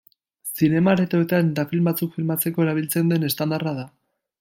Zinema-aretoetan eta film batzuk filmatzeko erabiltzen den estandarra da.